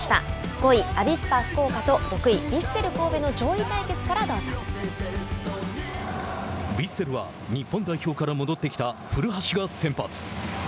５位アビスパ福岡と６位ヴィッセル神戸のヴィッセルは日本代表から戻ってきた古橋が先発。